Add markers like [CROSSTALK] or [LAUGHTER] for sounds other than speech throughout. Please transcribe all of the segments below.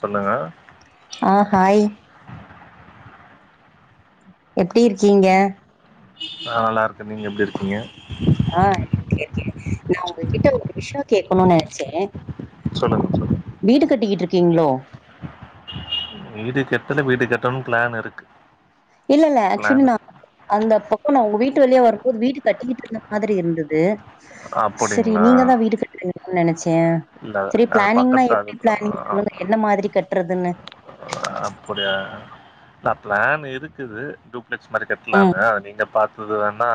சொல்லுங்க ஆ ஹாய் எப்டி இருக்கீங்க நா நல்லா இருக்கே நீங்க எப்டி இருக்கீங்க ஆ இருக்கே இருக்கே நா ஒங்ககிட்ட ஒரு விஷ்யோ கேக்கனு நெனச்சே சொல்லுங்க சொல்லு வீடு கட்டிகிட்ருக்கீங்ளோ வீடு கெட்டல வீடு கெட்டனு பிளான் இருக்கு இல்ல இல்ல ஆக்சுவலி பிளான் நா அந்த பக்கோ நா உங்க வீட்டு வழியா வரும்போது வீடு கட்டிகிட்டு இருந்த மாரி இருந்துது செரி அப்படிங்களா நீங்கதா வீடு கட்றிங்க ன் நெனச்சே இல்ல செரி அது ப்ளானிங்னா பக்கத்து அது எப்டி ப்ளானிங் பண்ணு என்ன மாதிரி கட்றதுனு அப்டியா நா ப்ளான் இருக்குது டுப் ப்ளக்ஸ் மாரி ம் கட்லானு நீங்க பாத்தது வேணா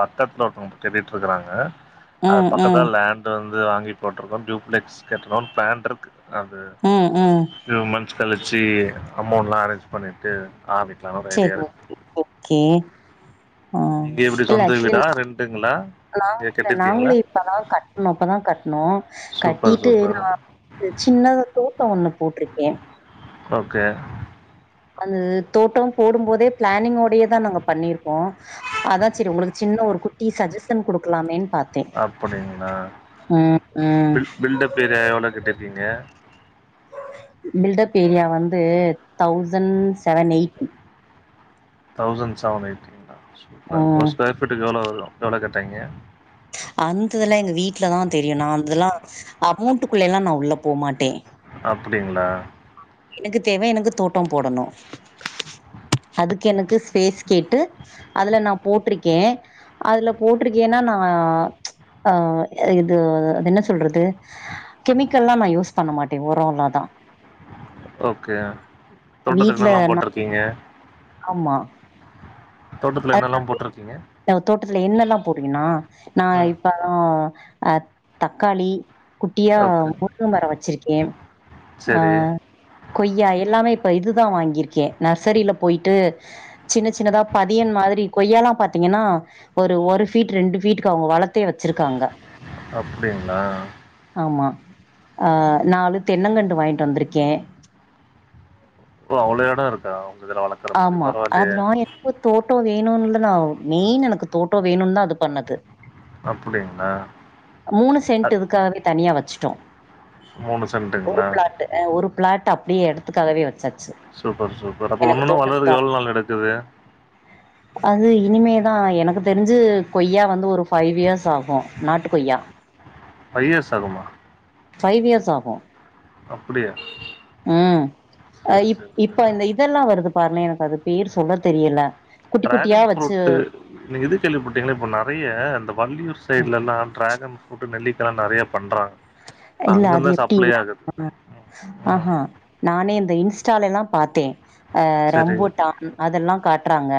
பக்கத்ல ஒருத்தவ்ங் கட்டிட்ருக்கறாங்க அது ம் பக்கத்தா ம் லேண்ட்டு வந்து வாங்கி போட்ருக்கோ டியூப்ளெக்ஸ் கட்டனுன் ப்ளான்ட்ருக்கு அது ம் ம். ஃப்யூ மந்த்ஸ் கழிச்சி அமௌண்ட்லா அரேஞ் பண்ணிட்டு ஆவிப் செர் ஓகே ஓகே ஆ நீங்க எப்டி சொந்த வீடா ரெண்ட்டுங்ளா நாங்கில்ல நாங்ளு இப்பதா கட்னோ இப்பதா கட்னோ சூப்பர் கட்டிட்டு இந்த சூப்பர் மார் சின்னதா தோட்டோ ஒன்னு போட்ருக்கே ஓகே அந்த தோட்டோ போடும்போதே பிளானிங்கோடயேதா நாங்க பண்ணிருக்கோ அதா செரி உங்களுக்கு சின்ன ஒரு குட்டி சஜஷன் குடுக்கலாமேன் பாத் அப்படிங்ளா ம் பில் பில்டப் ஏரியா எவ்ள கட்டிருக்கிங்க பில்டப் ஏரியா வந்து thousand seven eight thousand seven எயிட்டிங்ளா சூப்பர் ஒரு ம் ஸ்கொயர் ஃபீட்டுக்கு எவ்ளோ வரு எவ்ளோ கேட்டாய்ங்க அந்ததெல்லா எங்க வீட்லதா தெரியு நான் அந்தெலா அமோன்ட்டுக்குள்ளேலா நா உள்ள போமாட்டே அப்டிங்ளா எனக்கு தேவ எனக்கு தோட்டம் போடணு அதுக்கு எனக்கு ஸ்பேஸ் கேட்டு அதுல நா போட்ருக்கே அதுல போட்ருக்கேனா நா அ இது அது என்ன சொல்றது கெமிக்கல்லா நா யூஸ் பண்ண மாட்டே உரோ அவ்ளோதா ஓகே தோட்டத்துல என்னலா போட்ருக்கீங்க ஆம்மா தோட்டத்துல அது என்னெல்லா வந்து போட்ருக்கீங்க அ தோட்டத்துல என்னலா போட்றிங்கின்னா நா ம் இப்ப ம் அ தக்காளி குட்டியா ஓகே முருங்க மரோ வச்சிருக்கே அ சரி கொய்யா எல்லாமே இப்ப இதுதா வாங்கிருக்கே நர்சரில போயிட்டு சின்ன சின்னதா பதியன் மாதிரி கொய்யாலாம் பாத்திகன்னா ஒரு ஒரு ஃபீட் ரெண்டு ஃபீட்டுக்கு அவுங்க வளத்தே வச்சிருக்காங்க அப்டிங்ளா ஆமா நாலு அ தென்னங்கண்டு வாய்ன்ட்டு வந்திருக்கே இப்ப அவ்ளோ எட இருக்கா ஒங்க இதுல வளக் ஆம்மா அதுனா என் இப்ப தோட்டோ வேணுன்லா நா மெயின் எனக்கு தோட்டோ வேணுன்தா அது பண்ணது அப்புடிங்ளா மூனு சென்ட்டு இதுக்காகவே தனியா வச்சுட்டோ மூனு ஒரு சென்ட்டுங்ளா பிளாட் அ ஒரு பிளாட்டு அப்டியே எடத்துக்காகவே வச்சாச்சு சூப்பர் சூப்பர் அப்ப ஒன்னொன்னு வளர்துக் எவள் நாள் எடுக்குது உஹ அது இனிமேதா எனக்கு தெரிஞ்சு கொய்யா வந்து ஒரு ஃபைவ் இயர்ஸ் ஆகு நாட்டு கொய்யா [INAUDIBLE] ஃபைவ் இயர்ஸ் ஆகுமா ஃபவ் இயர்ஸ் ஆகும் அப்டியா ம் அ இப் இப்ப இந்த இதுல்லாம் வருது பார்லே எனக்கு அது பேர் சொல்ல தெரியில குட்டி குட்டியா வச்சு நீங்க இண்டஸ்ட்ரியல போட்டிங்கன்னா போப்லா நெறைய இந்த வள்ளியூர் சைட்லெல்லா டிராகன் ஃப்ரூட் நெல்லிக்கா நெறைய பண்றா இல்ல அது எப்டினா ம், ம். ஆஹஹா நானே இந்த இன்ஸ்டாலெல்லா பார்த்தேன் அ சரி ரொம்புட்டான் அதெல்லாம் காட்றாங்க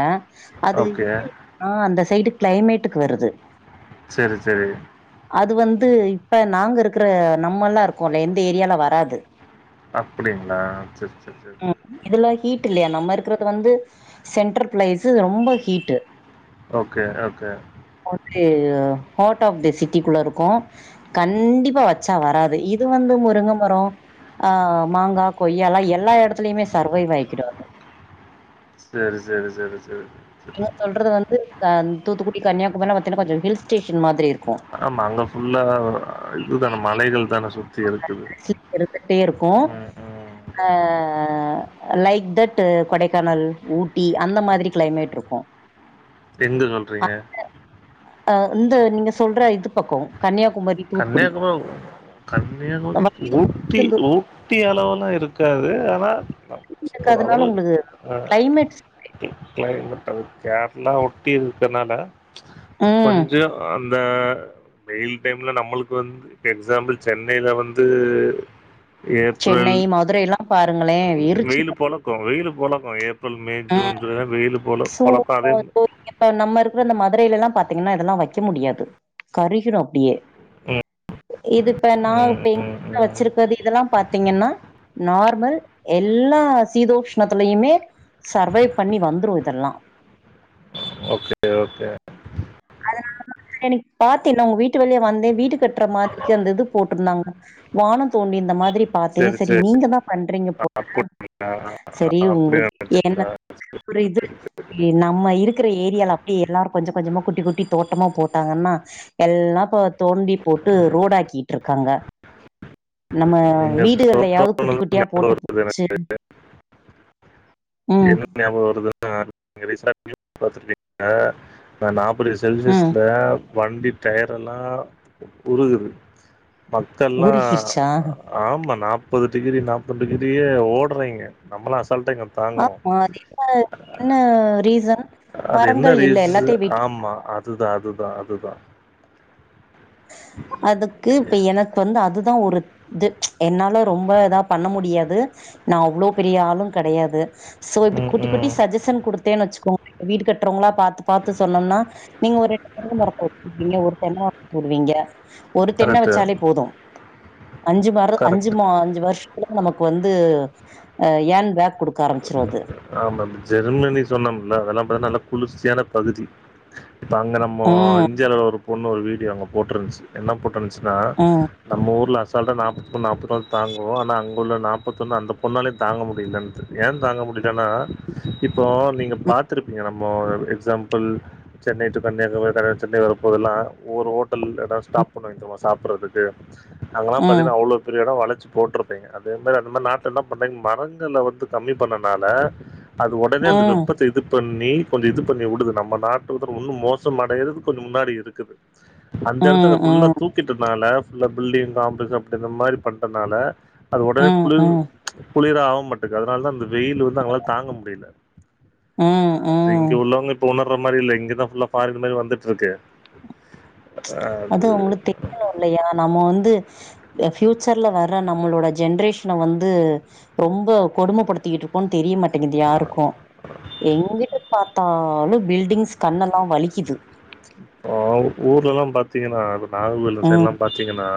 அது ஓகே ஆ அந்த சைடு கிளைமேட்டுக்கு வருது சரி சரி அது வந்து இப்ப நாங்க இருக்குற நம்ம எல்லாம் இருக்கோல இந்த ஏரியால வராது அப்டிங்களா சரி சரி சரி சரி இது ல ஹீட் இல்லைய நம்ம இருக்றது வந்து சென்ட்ர் பிளேஸு ரொம்ப heat okay okay okay hot of this city குல இருக்கோ கண்டிப்பா ப்ப வெச்சா வராது. இது வந்து முருங்க மரோ ஆ மாங்கா கொய்யால்லா எல்லா எடத்துலையுமே சர்வைவ் ஆக்கிடும் சேரி சேரி சேரி சேரி நீங்க சொல்றது வந்து க தூத்துக்குடி கன்னியாகுமரி பாத்தீன்னா கொஞ்சோ ஹில்ஸ் ஸ்டேஷன் மாதிரி இருக்கு. ஆமா அங்க ஃபுல்லா அ இதுதான மலைகள் தான சுத்தி இருக்குது இருந்துட்டே இருக்கு. ம் ம் அ அ அ அ அ அ அ அ அ லைக் தட்டு கொடைக்கானல் ஊட்டி அந்த மாதிரி க்ளைமேட் ருக்கு. எங்க சொல்றீங்க அ இந்த நீங்க சொல்ற இது பக்கோ கன்னியாகுமரி தூத்துக்குடி கன்னியாகுமோ கன்னியாகம ஊட்டி ஊ ட்டிய அளவுல்லாம் இருக்காது ஆனா இருக்கதுனால ஓரளவு உங்களுக்கு அ கிளைமேட்ஸ் கிளைமட் அது கேரளா ஒட்டி இருக்கனால ம் கொஞ்ச அந்த வெயில் டைம் ன்னு நம்மளுக்கு வந்து எக்ஸாம்பிள் சென்னைல வந்து ஏப்ரல் சென்னை மதுரைல்லா பாருங்களே எரிச்சு வெயில் பொலக் வெயில் பொலக்கும் ஏப்ரல் மே ஜூன் ஜூலை வெயில் பொல பொலக்காது போய் இப்ப நம்ம இருக்கிற இந்த மதுரையிலல்லாம் பாத்தீங்கன்னா இதெலாம் வைக்க முடியாது கருகிரு அப்டியே இது ப்ப நா ம் பேய் ம் த ம் வச்சிருக்கது இதெலாம் பாத்தீங்கன்னா நார்மல் எல்லா சீதோஷ்ணத்தலயுமே சர்வைவ் பண்ணி வந்துரு தெல்லா ச ஓகே ஓகே அதனாலதா எனக் பாத்தில உ வீட்டு வழியா வந்தே வீட்டு கட்ற மாதிரிக்கு அந்த இது போட்ருந்தாங்க. வான தோண்டி ந்த மாதிரி பாத்தே. செரி நீங்க தா பண்றீங்க போல அப்டியா செரி அப்டி உங்ளுக்கு என்ன நெனச்சேன்டா ஒரு இது இ நம்ம இருக்குற ஏரியால அப்டியே எல்லாரு கொஞ்ச கொஞ்சமா குட்டி குட்டி தோட்டமா போட்டாங்கன்னா எல்லா இப்ப தோண்டி போட்டு ரோடாக்கிட்ருக்காங்க நம்ம நீங்க வீடுகள்ல யாவ் தோட்டம்னு குட்டி குட்டியா ஞாபகம் போட்டும் வருது சேரு என்ன ஞாபக வருதுன்னா [INAUDIBLE] ப்ப நாப்பது ம் செல்சியஸ்ல வண்டி டயரெல்லா உருகுது மக்கெல்லா உருகிருச்சா அ ஆமா நாப்பது டிகிரி நாப்பது டிகிரியே ஓடுறீங்க நம்மெல்லா அசால்ட்டா இங் ஆ மா [INAUDIBLE] அது என்ன என்ன ரீசன் அது என்ன மரங்கள் இல்லன எல்லாத்தையு ரீசன் வெட்டி ஆமா அதுதா அதுதா அதுதா அதுக்கு இப்ப எனக்கு வந்து அதுதா ஒரு இது என்னால ரொம்ப இதா பண்ண முடியாது நா அவ்ளோ பெரிய ஆளும் கெடையாது. சோ இது ம் குட்டி குட்டி ம் சஜ்ஜஷன் குடுத்தேன்னு வெச்சுக்கோங் வீடு கட்றவங்களா பாத்து பாத்து சொன்னோம்னா நீங்க ஒரெண்டு தென்ன மரோ போடுவீங்க ஒரு தென்ன மரோ போடுவீங்க ஒரு தென்ன கரெக்டு வெச்சாலே போது. அஞ்சு வேர அஞ்சு கரெக்ட் மா அஞ்சு வருஷத்துல நமக்கு வந்து யேண்பேக் குடுக்க ஆரம்பச்சுரு அது ஆமா ஜெர்மெனி சொன்னோம்ல்ல அதெல்லா பாத்தா நல்லா குளிர்ச்சியான பகுதி இப்ப அங்க நம்மோ ம் இந்தியால ஒரு பொண்ணு ஓட வீடியோ அங்க போட்ருந்துச்சு என்ன போட்ரு ந்துச்சுன்னா ம் நம்ம ஊர்ல அசால்டா நாப் நாப்பதுபா தங்குவோ. ஆனா அங்க உள்ள நாப்பத்தொன்னு அந்த பொண்ணாலே தாங்க முடிலன்னு ஏ தாங்க முடிலன்னா இப்போ நீங்க பாத்துருப்பீங்க நம்ம எக்ஸாம்பிள் சென்னை டு கன்னியாகுமரி நா சென்னை வரப்போதெல்லா ஒரு ஹோட்டல் எதா ஸ்டாப் பண்ண வைக்குவோ சாப்படறதுக்கு அங்கல்லா ம் பாத்தீங்கன்னா அவ்ளோ பெரிய எடோ வளர்ச்சி போட்ருப்பீங்க அதே மேர அந்த மாரி நாத்தம் தான் என்ன பண்றீங்க மரங்கள வந்து கம்மி பண்ணனால அது ஒடனே அந்த ம் வெப்பத் த இது பண்ணி கொஞ்சோ இது பண்ணி விடுது நம்ம நாட்டு உதர் ஒன்னு மோசம் அடையறது கொஞ்சோ முன்னாடி இருக்குது அந்த ம் இடத்துல ஃபுல்லா ம் தூக்கிட்டனால ஃபுல்லா பில்டிங் காம்ப்ளக்ஸ் அப்டி இந்த மாரி பண்றதுனால அது ம் உடனே குளிர் ம் குளிர் ஆவும் மாட்டுது அதனால தான் அந்த வெயில் வந்து அவங்களால தாங்க முடில ம் அது ம் இங்க உள்ளவங்க உணர்ற மாரி இல்ல இங்கதான் ஃபுல்லா ஃபாரின் மேரி வந்துட்டு இருக்கு அது அவங்களுக்கு தெரியனும் இல்லையா நம்ம வந்து ஃபியூச்சர்ல வர்ற நம்மளோட ஜென்ரேஷன வந்து ரொம்ப கொடுமைப்படுத்திகிட்டு இருக்கோனு தெரிய மாட் ங்கிது யாருக்கோ எங்கிட்டு பாத்தாலு பில்டிங்ஸ் கண்ணெல்லா வலிக்குது ஆ ஊர்லல்லா பாத்தீங்கன்னா நாக வெல்ல ம், சைடுல்லா பாத்தீங்கன்னா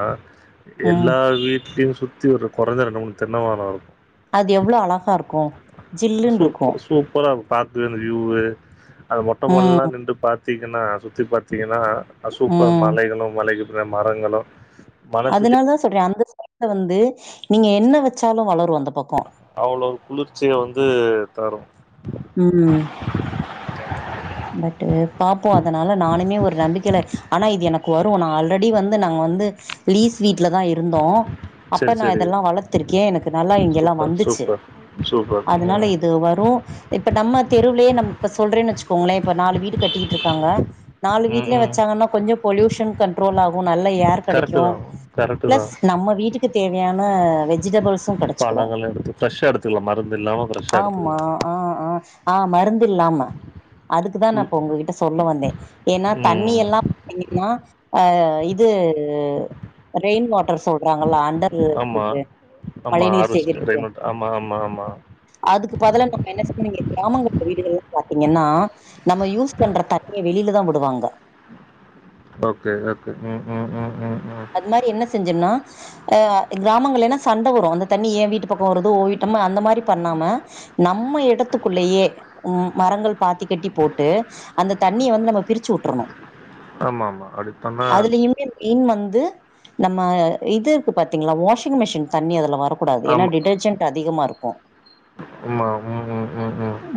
ம். எல்லா வீட்லியு சு சுத்தி ஒரு கொறஞ்ச ரெண்டுமூணு தென்னமரோ இருக்கு அது எவ்ளோ அழகா இருக்கு. சூ ஜில்லுன்ருக்கு. சூப்பரா பாத்து அந்த வியூவு. அது மொட்ட மாடிலல்லா ம், நின்டு பாத் திங்கன்னா சுத்தி பாத்தீங்கன்னா அ சூப்பர் ம். மலைகளு மலைக்கின்ற மரங்களு அதுனாலதா சொல்றே அந்த சைய்டுல வந்து நீங்க என்ன வெச்சாலு வளரு அந்த பக்கோ அவ்ளோ குளிர்ச்சிய வந்து தரு ம் ம் பட்டு பாப்போ அதனால நானுமே ஒரு நம்பிக்கேல ஆனா இது எனக்கு வரு நா ஆல்ரெடி வந்து நாங்க வந்து லீஸ் வீட்ல தா இருந்தோ அப்ப சரி நான் சரி இதெல்லாம் வளத்துருக்கே எனக்கு நல்லா இங்கல்லாம் சூப்பர் வந்துச்சு சூப்பர் சூப்பர் அதனால ம் இது வரும் இப்ப நம்ம தெருவுலேயே நம்ப சொல்றேன்னு வச்சுக்கோங்களேன் இப்ப நாலு வீடு கட்டிட்டு இருக்காங்க நாலு ம் வீட்ல ம் வச்சாங்கன்னா கொஞ்சோ பொல்யூஷன் கன்ட்ரோலாகும் நல்ல ஏர் கரெக்டு கிடைக்கும் தான் கரெக்டு பிளஸ் தான் நம்ம வீட்டுக்கு தேவையான வெஜிடேபிள்ஸும் பழங்கல எடுத்து ஃப்ரெஷ்ஷா எடுத்துகலாம் மருந்து இல்லாம ஃப்ரஷ்ஷா ஆமா எடுத்துகலாம் ஆ ஆ ஆ மருந்து இல்லாம அதுக்குதான் நான் ம், இப்ப உங்ககிட்ட சொல்ல வந்தேன் ஏன்னா தண்ணி ம் எல்லாம் பாத்தீங்கன்னா அ இது ரெயின் வாட்டர் சொல்றாங்கள அண்டர் ஏ இருக்கு ஆமா ஹார்வெஸ்ட் ரெயின்வாட்டர் ஆமா ஆமா ஆமா அதுக்கு பதிலா நம்ம என்ன செய்யணும் இங்க கிராமங்கள வீடுகள் எல்லாம் பாத்தீங்கன்னா நம்ம யூஸ் பண்ற தண்ணியே வெளில தான் விடுவாங்க ஓகே ஓகே ம் ம் ம் ம் ம் அது மாரி என்ன செஞ்சும்னா ஆ க்ராமங்களெனா சண்ட வரு அந்த தண்ணி ஏ வீட்டு பக்கம் வருது ஓவீட்டம்ம அந்த மாரி பண்ணாம நம்ம யடத்துக்குள்ளயே உம் மரங்கள் பாத்தி கட்டி போட்டு அந்த தண்ணிய வந்து நம்ம பிரிச்சு விட்ருணு ஆமா ஆமா அடிப்பன்னாத் இன் வந்து நம்ம இது இருக்கு பாத்தீங்களா வாஷிங் மிஷின் தண்ணி அதுல வரு கூடாது ஏனா டிடர்ஜென்ட் அதிகமா இருக்கு உம்மா உம் ம்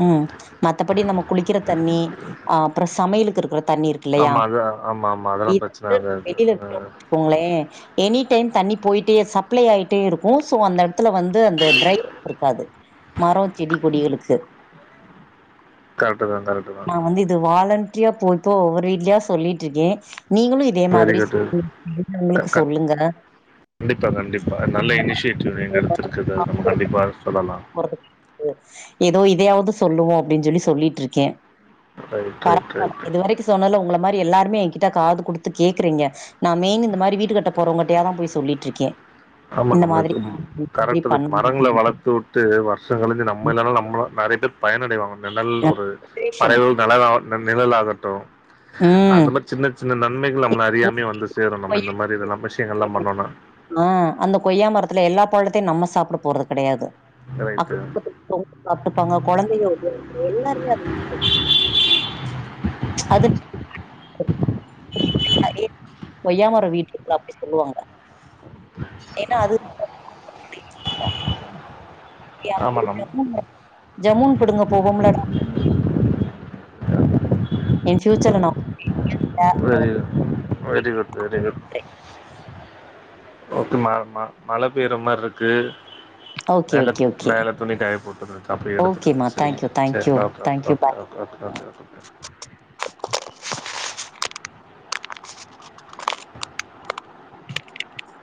ம் மத்தப்படி நம்ம குளிக்கிற தண்ணி ஆ அப்ற சமையலுக்கு இருக்ற தண்ணி இருக்கு இல்லையா ஆமா அது ஆமா ஆமா அதெல்லா பிரச்சன ஆகாது [UNINTELLIGIBLE] போங்ளே எனி டைம் தண்ணி போயிட்டே சப்ளை அய்ட்டே இருக்கு சோ அந்தட் த்துல வந்து அந்த ட்ரை இருக்காது மரம் செடி கொடிகளுக்கு கரெக்ட் தா கரெக்ட் தா நா வந்து இது வாலன் ஜியா போய்ப்போ ஒரீட்லியா சொல்லிட்ருக்கே நீங்களு இதே வெரி மாதிரி குட் [UNINTELLIGIBLE] உங்களுக்கு சொல்லுங்க கண்டிப்பா கண்டிப்பா நல்ல இனிஷியேட்டிவ் எங்க எடுத்துருக்குறது நம்ம கண்டிப்பா சொல்லலா போறதுக்கு ஏதோ இதையாவது சொல்லுவோ அப்படின் ஜொல்லி சொல்லிட்ருக்கே ரைட் பர [UNINTELLIGIBLE] ரைட் வால் ரைட் இது வரைக்கு சொன்னல உங்கள மாரி எல்லாருமே எங்கிட்ட காது குடுத்து கேக்றீங்க நா மெயினு இந்தமாரி வீட்டு கட்ட போறவங்கட்டயா தா போய் சொல்லிட்ருக்கே ஆமா நம்ம இப்பதி கரெக்ட்டுரு பண்ணணும்னு மரங்கள சொல்லிட்டு வளத்து வுட் ட்டு வருஷ கழிஞ்சி நம்ம இல்லனாலு நம்மள நெறைய பேர் பயனடைவாங்க நெழல் நான் ஒரு பழை ஓல் நெழலா நம் நிழலாகட்டு ம். அந்த மாரி சின்ன சின்ன நன்மைகள் நம்மள அறியாமே வந்துஸ் தேரு நம்ம இந்த மாரி இதெல்லா விஷயங்கள்லாம் பண்னோனா அ அந்த கொய்யா மரத்துல எல்லா பழுத்தையு நம்ம சாப்ட போறது கெடையாது அக்கு ரைட்டு [UNINTELLIGIBLE] சாப்ட்டுப்பாங்க கொழந்தைய [UNINTELLIGIBLE] எல்லாருமே அது அது [INAUDIBLE] [UNINTELLIGIBLE] ஒய்யாமரோ வீட்டு [UNINTELLIGIBLE] அப்டி சொல்லுவாங்க ஏன்னா அது [UNINTELLIGIBLE] ஆமா நம் ம் ஜமுன் கொடுங்க போவோம்ல இன்ஃபியூச்சர்ல no main very very good very good okay ம ம மழை பெய்ற மார் இருக்கு ஓகே, ஓகே, மேலத் ஓகே. மேல துணி காய போட்டுரு கப்டியே எடுத்துட்டாங்க ஓகேம்மா. தேங்க்யூ, சரிங்கலா சரி thank you, okay okay thank you. Okay bye. Okay okay okay okay பாய் [UNINTELLIGIBLE]